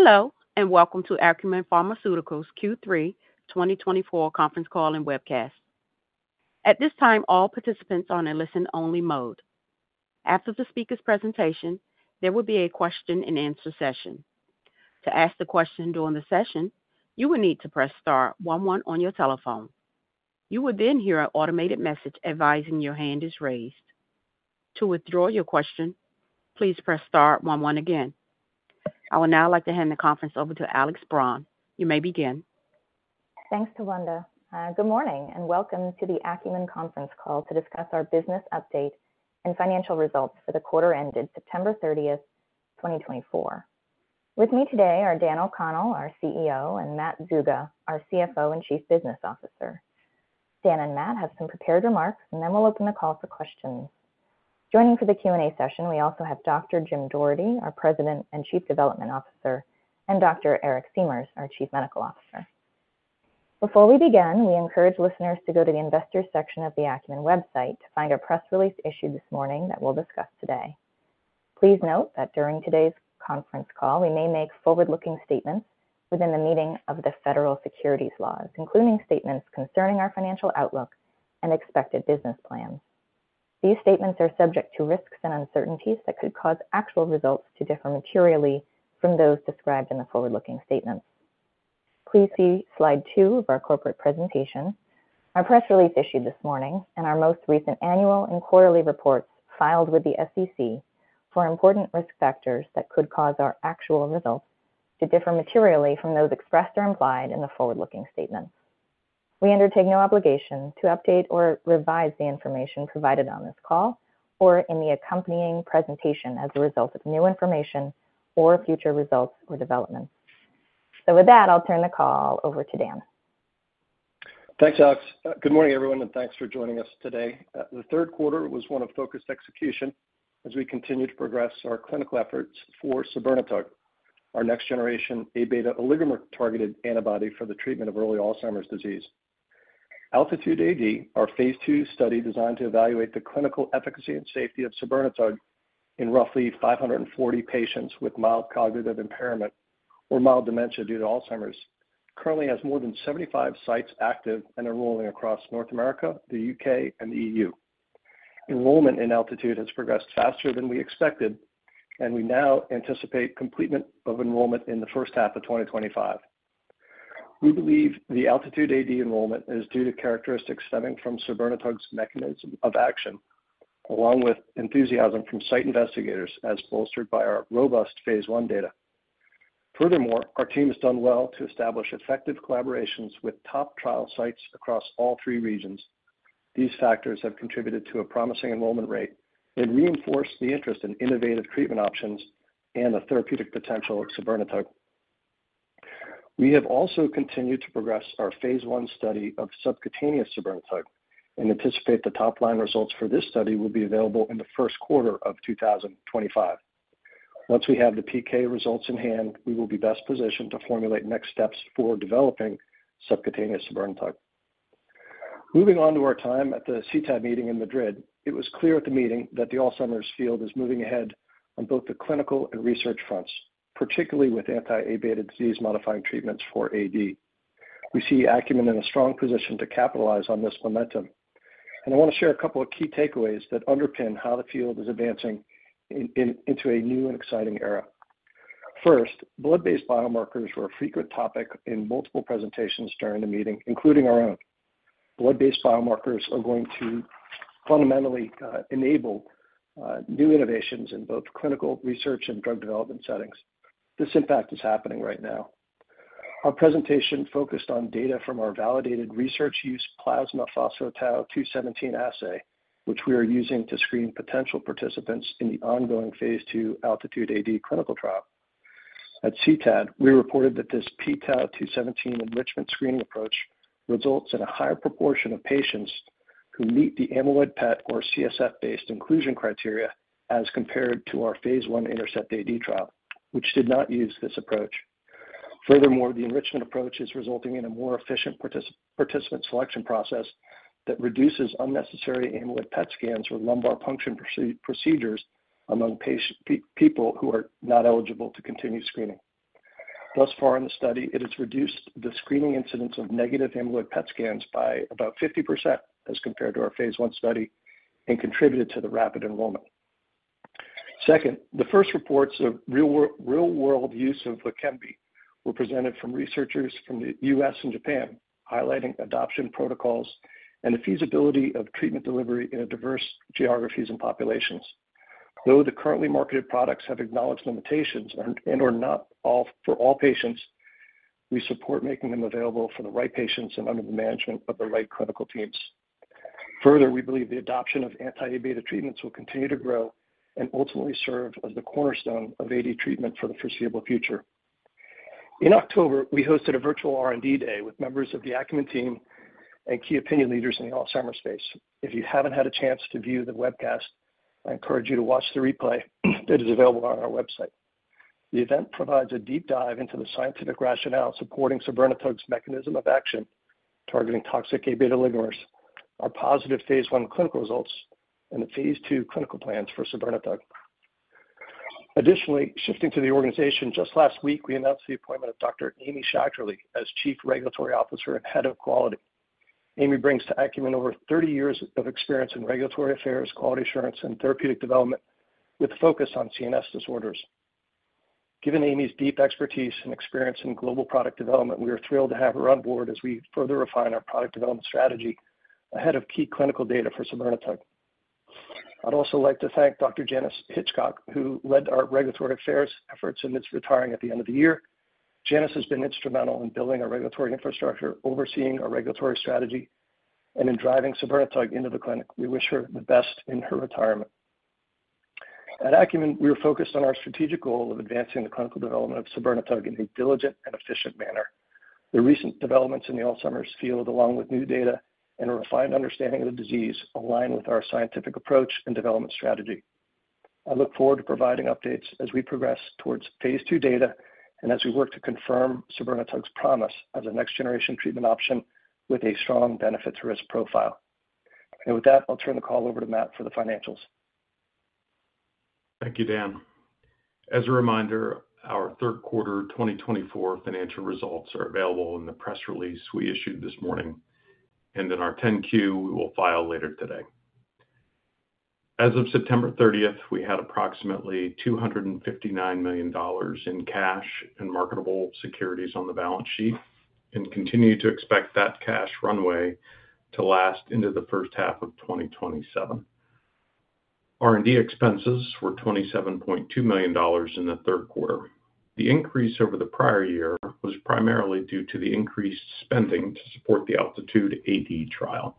Hello, and welcome to Acumen Pharmaceuticals Q3 2024 conference call and webcast. At this time, all participants are in a listen-only mode. After the speaker's presentation, there will be a question-and-answer session. To ask a question during the session, you will need to press star one one on your telephone. You will then hear an automated message advising your hand is raised. To withdraw your question, please press star one one again. I would now like to hand the conference over to Alex Braun. You may begin. Thanks, Tawanda. Good morning, and welcome to the Acumen conference call to discuss our business update and financial results for the quarter ended September 30, 2024. With me today are Daniel O'Connell, our CEO, and Matt Zuga, our CFO and Chief Business Officer. Dan and Matt have some prepared remarks, and then we'll open the call for questions. Joining for the Q&A session, we also have Dr. Jim Dougherty, our President and Chief Development Officer, and Dr. Eric Siemers, our Chief Medical Officer. Before we begin, we encourage listeners to go to the Investor section of the Acumen website to find a press release issued this morning that we'll discuss today. Please note that during today's conference call, we may make forward-looking statements within the meaning of the federal securities laws, including statements concerning our financial outlook and expected business plans. These statements are subject to risks and uncertainties that could cause actual results to differ materially from those described in the forward-looking statements. Please see slide two of our corporate presentation, our press release issued this morning, and our most recent annual and quarterly reports filed with the SEC for important risk factors that could cause our actual results to differ materially from those expressed or implied in the forward-looking statements. We undertake no obligation to update or revise the information provided on this call or in the accompanying presentation as a result of new information or future results or developments. So with that, I'll turn the call over to Dan. Thanks, Alex. Good morning, everyone, and thanks for joining us today. The third quarter was one of focused execution as we continue to progress our clinical efforts for sabirnetug, our next-generation A-beta oligomer targeted antibody for the treatment of early Alzheimer's disease. Altitude phase II study designed to evaluate the clinical efficacy and safety of sabirnetug in roughly 540 patients with mild cognitive impairment or mild dementia due to Alzheimer's, currently has more than 75 sites active and enrolling across North America, the U.K., and the E.U. Enrollment in Altitude has progressed faster than we expected, and we now anticipate completion of enrollment in the first half of 2025. We believe the ALTITUDE-AD enrollment is due to characteristics stemming from sabirnetug's mechanism of action, along with enthusiasm from site investigators as bolstered by our phase I data. Furthermore, our team has done well to establish effective collaborations with top trial sites across all three regions. These factors have contributed to a promising enrollment rate and reinforced the interest in innovative treatment options and the therapeutic potential of sabirnetug. We have also continued to progress phase I study of subcutaneous sabirnetug and anticipate the top line results for this study will be available in the first quarter of 2025. Once we have the PK results in hand, we will be best positioned to formulate next steps for developing subcutaneous sabirnetug. Moving on to our time at the CTAD meeting in Madrid, it was clear at the meeting that the Alzheimer's field is moving ahead on both the clinical and research fronts, particularly with anti-A-beta disease-modifying treatments for AD. We see Acumen in a strong position to capitalize on this momentum. And I want to share a couple of key takeaways that underpin how the field is advancing into a new and exciting era. First, blood-based biomarkers were a frequent topic in multiple presentations during the meeting, including our own. Blood-based biomarkers are going to fundamentally enable new innovations in both clinical research and drug development settings. This impact is happening right now. Our presentation focused on data from our validated research use plasma p-tau-217 assay, which we are using to screen potential participants in the phase ii ALTITUDE-AD clinical trial. At CTAD, we reported that this p-tau-217 enrichment screening approach results in a higher proportion of patients who meet the amyloid PET or CSF-based inclusion criteria as compared phase I INTERCEPT-AD trial, which did not use this approach. Furthermore, the enrichment approach is resulting in a more efficient participant selection process that reduces unnecessary amyloid PET scans or lumbar puncture procedures among people who are not eligible to continue screening. Thus far in the study, it has reduced the screening incidence of negative amyloid PET scans by about 50% as compared phase I study and contributed to the rapid enrollment. Second, the first reports of real-world use of Leqembi were presented from researchers from the U.S. and Japan, highlighting adoption protocols and the feasibility of treatment delivery in diverse geographies and populations. Though the currently marketed products have acknowledged limitations and are not for all patients, we support making them available for the right patients and under the management of the right clinical teams. Further, we believe the adoption of anti-A-beta treatments will continue to grow and ultimately serve as the cornerstone of AD treatment for the foreseeable future. In October, we hosted a virtual R&D day with members of the Acumen team and key opinion leaders in the Alzheimer's space. If you haven't had a chance to view the webcast, I encourage you to watch the replay that is available on our website. The event provides a deep dive into the scientific rationale supporting sabirnetug's mechanism of action targeting toxic A-beta oligomers, phase I clinical results, phase I clinical plans for sabirnetug. Additionally, shifting to the organization, just last week, we announced the appointment of Dr. Amy Schacterle as Chief Regulatory Officer and Head of Quality. Amy brings to Acumen over 30 years of experience in regulatory affairs, quality assurance, and therapeutic development with a focus on CNS disorders. Given Amy's deep expertise and experience in global product development, we are thrilled to have her on board as we further refine our product development strategy ahead of key clinical data for sabirnetug. I'd also like to thank Dr. Janice Hitchcock, who led our regulatory affairs efforts and is retiring at the end of the year. Janice has been instrumental in building our regulatory infrastructure, overseeing our regulatory strategy, and in driving sabirnetug into the clinic. We wish her the best in her retirement. At Acumen, we are focused on our strategic goal of advancing the clinical development of sabirnetug in a diligent and efficient manner. The recent developments in the Alzheimer's field, along with new data and a refined understanding of the disease, align with our scientific approach and development strategy. I look forward to providing updates as we progress phase II data and as we work to confirm sabirnetug's promise as a next-generation treatment option with a strong benefit-to-risk profile. With that, I'll turn the call over to Matt for the financials. Thank you, Dan. As a reminder, our third quarter 2024 financial results are available in the press release we issued this morning, and in our 10Q, we will file later today. As of September 30th, we had approximately $259 million in cash and marketable securities on the balance sheet and continue to expect that cash runway to last into the first half of 2027. R&D expenses were $27.2 million in the third quarter. The increase over the prior year was primarily due to the increased spending to support the ALTITUDE-AD trial.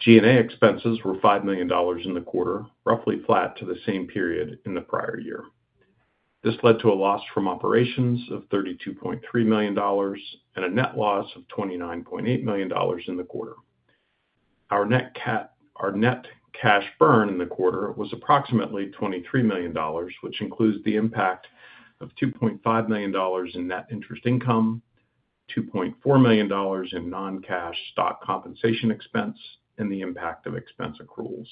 G&A expenses were $5 million in the quarter, roughly flat to the same period in the prior year. This led to a loss from operations of $32.3 million and a net loss of $29.8 million in the quarter. Our net cash burn in the quarter was approximately $23 million, which includes the impact of $2.5 million in net interest income, $2.4 million in non-cash stock compensation expense, and the impact of expense accruals.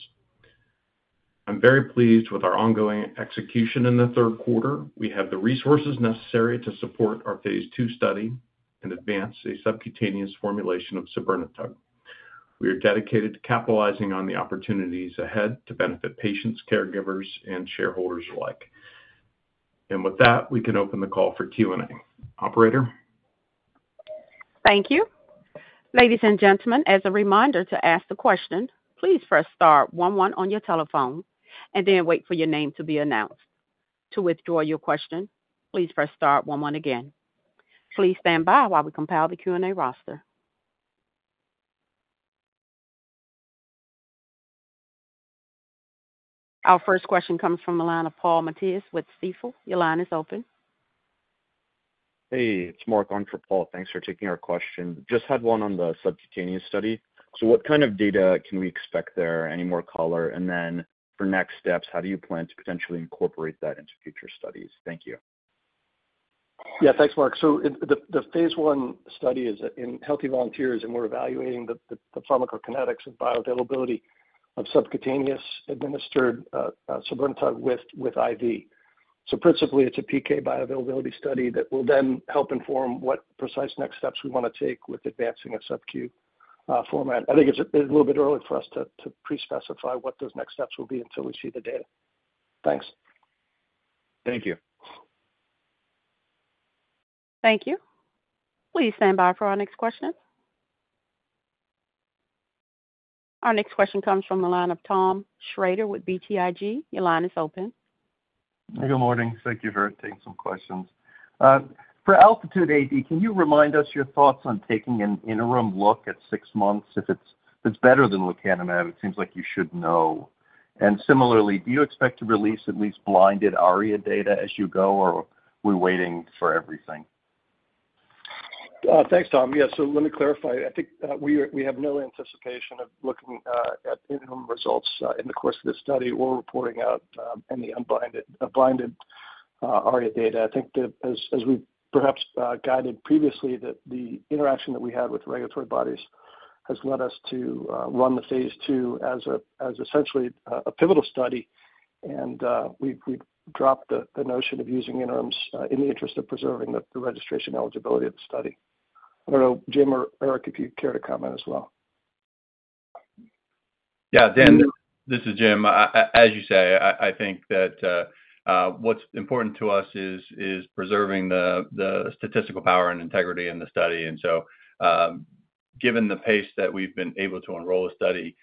I'm very pleased with our ongoing execution in the third quarter. We have the resources necessary to phase II study and advance a subcutaneous formulation of sabirnetug. We are dedicated to capitalizing on the opportunities ahead to benefit patients, caregivers, and shareholders alike, and with that, we can open the call for Q&A. Operator. Thank you. Ladies and gentlemen, as a reminder to ask the question, please press star one one on your telephone and then wait for your name to be announced. To withdraw your question, please press star one one again. Please stand by while we compile the Q&A roster. Our first question comes from Paul Matteis with Stifel. Your line is open. Hey, it's Mark on for Paul. Thanks for taking our question. Just had one on the subcutaneous study. So what kind of data can we expect there? Any more color? And then for next steps, how do you plan to potentially incorporate that into future studies? Thank you. Yeah, thanks, Mark. phase I study is in healthy volunteers, and we're evaluating the pharmacokinetics and bioavailability of subcutaneous administered sabirnetug with IV. So principally, it's a PK bioavailability study that will then help inform what precise next steps we want to take with advancing a subQ format. I think it's a little bit early for us to pre-specify what those next steps will be until we see the data. Thanks. Thank you. Thank you. Please stand by for our next question. Our next question comes from Thomas Shrader with BTIG. Your line is open. Good morning. Thank you for taking some questions. For ALTITUDE-AD, can you remind us your thoughts on taking an interim look at six months? If it's better than lecanemab, it seems like you should know. And similarly, do you expect to release at least blinded ARIA data as you go, or are we waiting for everything? Thanks, Tom. Yeah, so let me clarify. I think we have no anticipation of looking at interim results in the course of this study or reporting out any unblinded ARIA data. I think as we've perhaps guided previously, the interaction that we had with regulatory bodies has led us to phase II as essentially a pivotal study, and we've dropped the notion of using interims in the interest of preserving the registration eligibility of the study. I don't know, Jim or Eric, if you care to comment as well. Yeah, Dan, this is Jim. As you say, I think that what's important to us is preserving the statistical power and integrity in the study. And so given the pace that we've been able to enroll in the study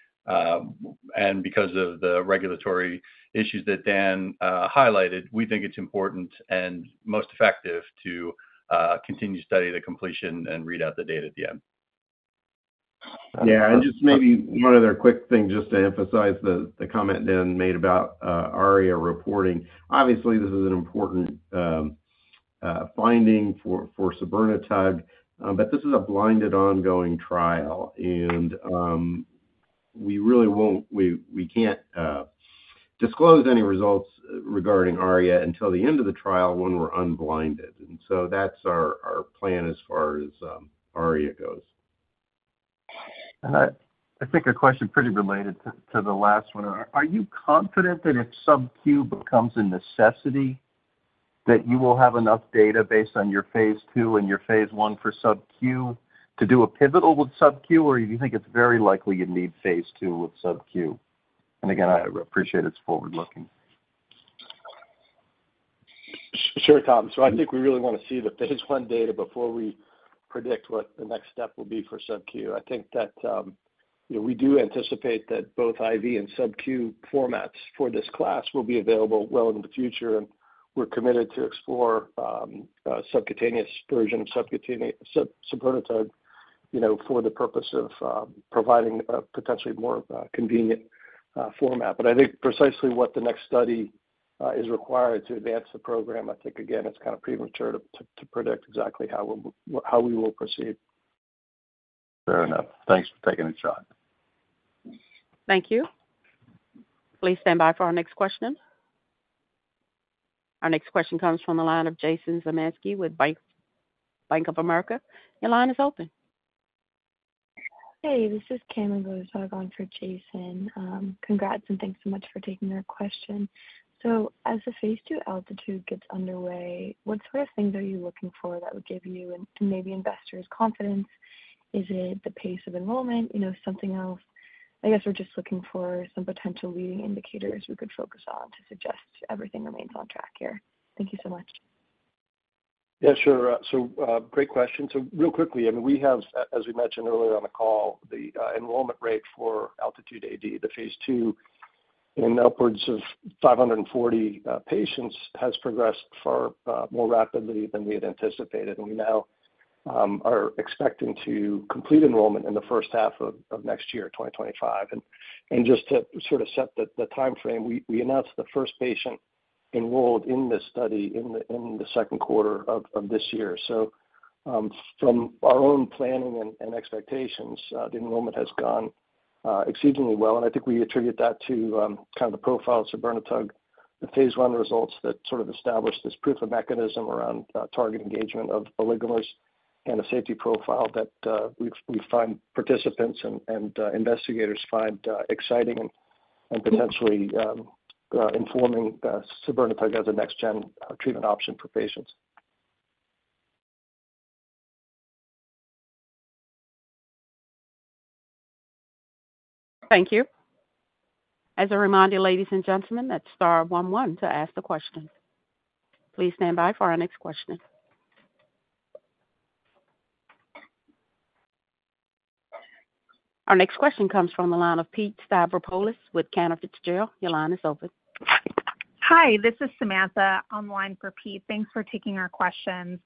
and because of the regulatory issues that Dan highlighted, we think it's important and most effective to continue the study to completion and read out the data at the end. Yeah, and just maybe one other quick thing just to emphasize the comment Dan made about ARIA reporting. Obviously, this is an important finding for sabirnetug, but this is a blinded ongoing trial, and we really won't-we can't disclose any results regarding ARIA until the end of the trial when we're unblinded. And so that's our plan as far as ARIA goes. I think a question pretty related to the last one. Are you confident that if subQ becomes a necessity, that you will have enough data based phase I for subq to do a pivotal with subQ, or do you think it's very likely phase II with subq? and again, I appreciate it's forward-looking. Sure, Tom. So I think we really want to phase I data before we predict what the next step will be for subQ. I think that we do anticipate that both IV and subQ formats for this class will be available well into the future, and we're committed to explore a subcutaneous version of sabirnetug for the purpose of providing a potentially more convenient format. But I think precisely what the next study is required to advance the program, I think, again, it's kind of premature to predict exactly how we will proceed. Fair enough. Thanks for taking the shot. Thank you. Please stand by for our next question. Our next question comes from the line of Jason Zemansky with Bank of America. Your line is open. Hey, this is Kim going to talk on for Jason. Congrats and thanks so much for taking our question. So phase II altitude gets underway, what sort of things are you looking for that would give you and maybe investors confidence? Is it the pace of enrollment? You know, something else? I guess we're just looking for some potential leading indicators we could focus on to suggest everything remains on track here. Thank you so much. Yeah, sure. So great question. So real quickly, I mean, we have, as we mentioned earlier on the call, the enrollment rate for Altitude phase II in upwards of 540 patients has progressed far more rapidly than we had anticipated. And we now are expecting to complete enrollment in the first half of next year, 2025. And just to sort of set the timeframe, we announced the first patient enrolled in this study in the second quarter of this year. So from our own planning and expectations, the enrollment has gone exceedingly well. And I think we attribute that to kind of the profile of sabirnetug, phase I results that sort of established this proof of mechanism around target engagement of oligomers and a safety profile that we find participants and investigators find exciting and potentially informing sabirnetug as a next-gen treatment option for patients. Thank you. As a reminder, ladies and gentlemen, that's star on one to ask the question. Please stand by for our next question. Our next question comes from Pete Stavropoulos with Cantor Fitzgerald. Your line is open. Hi, this is Samantha online for Pete. Thanks for taking our questions.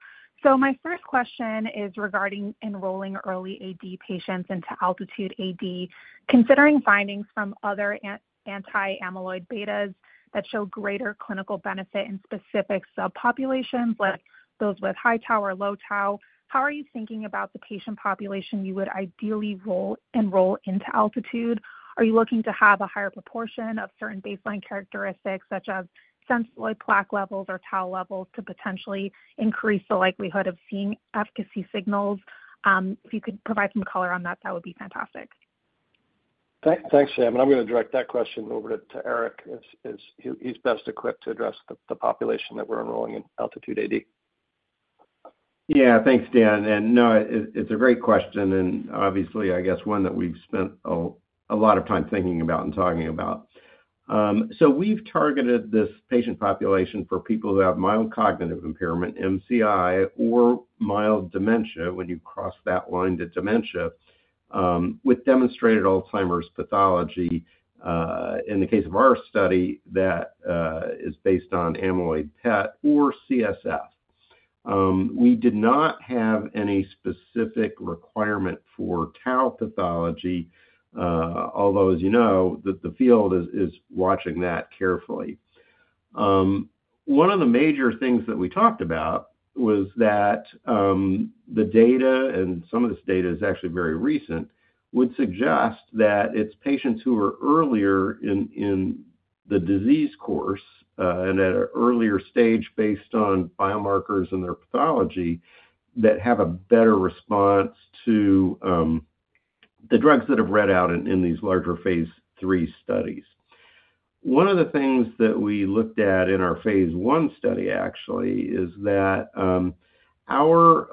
My first question is regarding enrolling early AD patients into ALTITUDE-AD, considering findings from other anti-A-beta that show greater clinical benefit in specific subpopulations like those with high tau or low tau. How are you thinking about the patient population you would ideally enroll into Altitude? Are you looking to have a higher proportion of certain baseline characteristics such as amyloid plaque levels or tau levels to potentially increase the likelihood of seeing efficacy signals? If you could provide some color on that, that would be fantastic. Thanks, Sam. And I'm going to direct that question over to Eric as he's best equipped to address the population that we're enrolling in ALTITUDE-AD. Yeah, thanks, Dan. And no, it's a great question. And obviously, I guess one that we've spent a lot of time thinking about and talking about. So we've targeted this patient population for people who have mild cognitive impairment, MCI, or mild dementia when you cross that line to dementia with demonstrated Alzheimer's pathology. In the case of our study, that is based on amyloid PET or CSF. We did not have any specific requirement for tau pathology, although, as you know, the field is watching that carefully. One of the major things that we talked about was that the data, and some of this data is actually very recent, would suggest that it's patients who are earlier in the disease course and at an earlier stage based on biomarkers and their pathology that have a better response to the drugs that have read out in these larger phase III studies. One of the things that we looked at phase I study actually is that our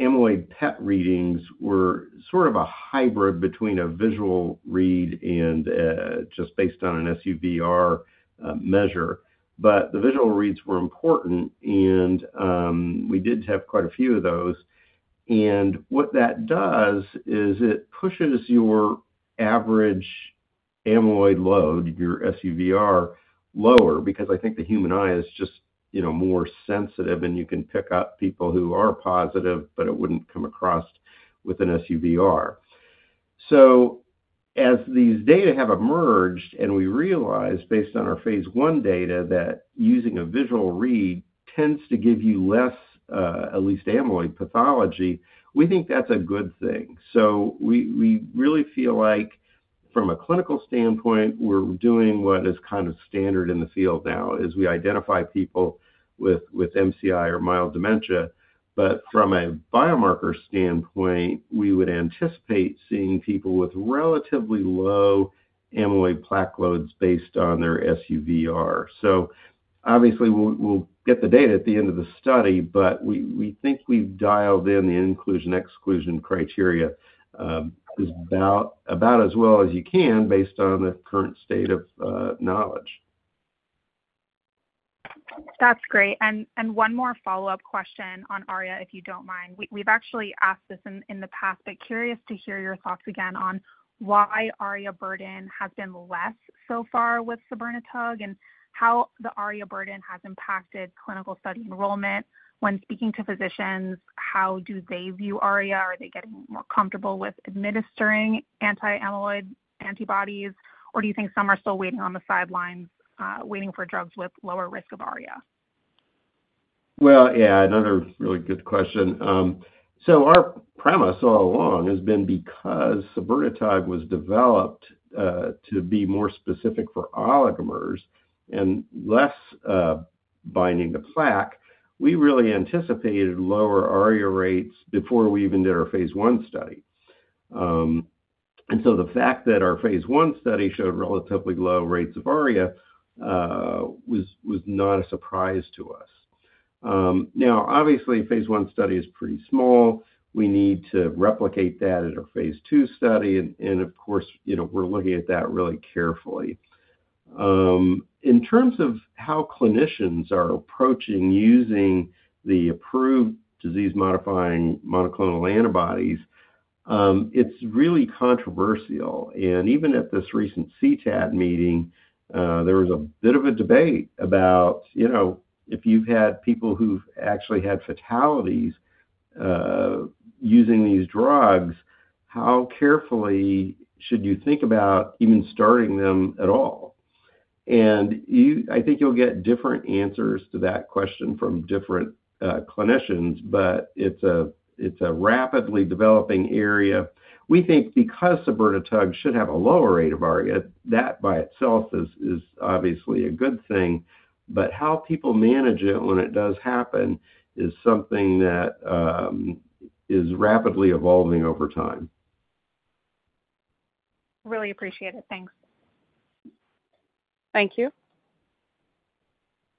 Amyloid PET readings were sort of a hybrid between a visual read and just based on an SUVR measure. But the visual reads were important, and we did have quite a few of those. What that does is it pushes your average amyloid load, your SUVR, lower because I think the human eye is just more sensitive, and you can pick up people who are positive, but it wouldn't come across with an SUVR. So as these data have emerged and we realized based phase I data that using a visual read tends to give you less, at least amyloid pathology, we think that's a good thing. So we really feel like from a clinical standpoint, we're doing what is kind of standard in the field now is we identify people with MCI or mild dementia. But from a biomarker standpoint, we would anticipate seeing people with relatively low amyloid plaque loads based on their SUVR. So obviously, we'll get the data at the end of the study, but we think we've dialed in the inclusion-exclusion criteria about as well as you can based on the current state of knowledge. That's great. And one more follow-up question on ARIA, if you don't mind. We've actually asked this in the past, but curious to hear your thoughts again on why ARIA burden has been less so far with sabirnetug and how the ARIA burden has impacted clinical study enrollment. When speaking to physicians, how do they view ARIA? Are they getting more comfortable with administering anti-amyloid antibodies, or do you think some are still waiting on the sidelines, waiting for drugs with lower risk of ARIA? Yeah, another really good question. Our premise all along has been because sabirnetug was developed to be more specific for oligomers and less binding to plaque, we really anticipated lower ARIA rates before we even phase I study. the fact phase I study showed relatively low rates of ARIA was not a surprise to us. phase I study is pretty small. We need to replicate that phase II study. of course, we're looking at that really carefully. In terms of how clinicians are approaching using the approved disease-modifying monoclonal antibodies, it's really controversial. Even at this recent CTAD meeting, there was a bit of a debate about if you've had people who've actually had fatalities using these drugs, how carefully should you think about even starting them at all? And I think you'll get different answers to that question from different clinicians, but it's a rapidly developing area. We think because sabirnetug should have a lower rate of ARIA, that by itself is obviously a good thing. But how people manage it when it does happen is something that is rapidly evolving over time. Really appreciate it. Thanks. Thank you.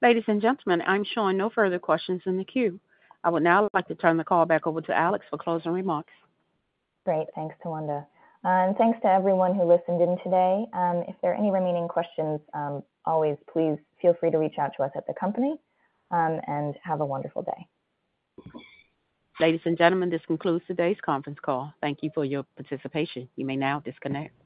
Ladies and gentlemen, I'm sure no further questions in the queue. I would now like to turn the call back over to Alex for closing remarks. Great. Thanks to Tawanda, and thanks to everyone who listened in today. If there are any remaining questions, always please feel free to reach out to us at the company and have a wonderful day. Ladies and gentlemen, this concludes today's conference call. Thank you for your participation. You may now disconnect.